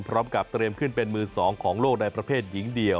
พร้อมกับเตรียมขึ้นเป็นมือ๒ของโลกในประเภทหญิงเดี่ยว